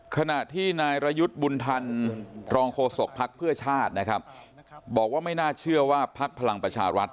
ขณะที่นายรายุฤีบุญธรองโคศกภัคเภอชาตินะครับบอกว่าไม่น่าเชื่อว่าภักรพลังประชาวัติ